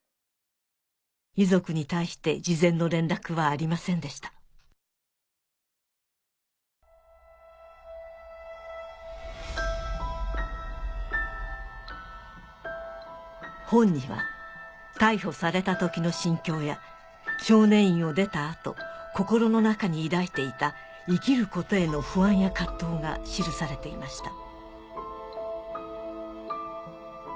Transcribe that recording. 遺族に対して事前の連絡はありませんでした本には逮捕された時の心境や少年院を出た後心の中に抱いていた生きることへの不安や藤が記されていました